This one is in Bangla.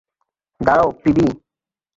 দাঁড়াও, পিবি।